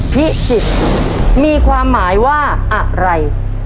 พิจิตรมีความหมายว่าอะไร